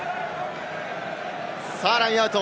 さぁラインアウト。